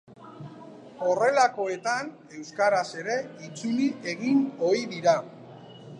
Horrelakoetan, euskaraz ere itzuli egin ohi dira.